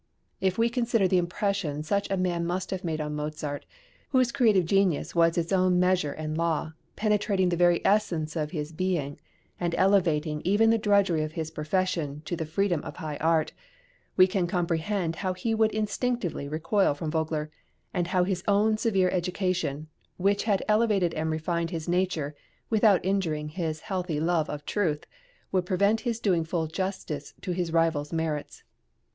If we consider the impression such a man must have made on Mozart, whose creative genius was its own measure and law, penetrating the very essence of his being, and elevating even the drudgery of his profession to the freedom of high art, we can comprehend how he would instinctively recoil from Vogler; and how his own severe education, which had elevated and refined his nature without injuring his healthy love of truth, would prevent his doing full justice to his rival's merits.